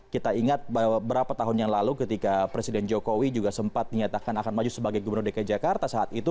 kita ingat beberapa tahun yang lalu ketika presiden jokowi juga sempat dinyatakan akan maju sebagai gubernur dki jakarta saat itu